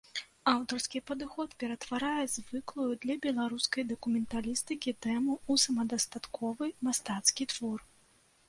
Аўтарскі падыход ператварае звыклую для беларускай дакументалістыкі тэму ў самадастатковы мастацкі твор.